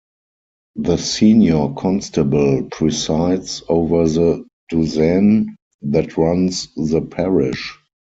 The senior constable presides over the Douzaine that runs the parish.